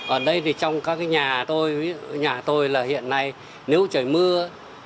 ở đây thì trong các cái nhà tôi nhà tôi là hiện nay nếu trời mưa